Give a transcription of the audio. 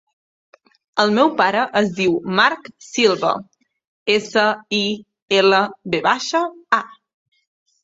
El meu pare es diu Marc Silva: essa, i, ela, ve baixa, a.